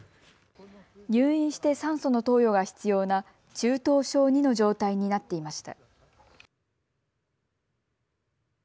入院して酸素の投与が必要な中等症２の状態になっていました。